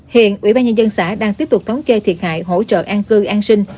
hiện ủy ban nhân dân xã đang tiếp tục tống chê thiệt hại hỗ trợ an cư an sinh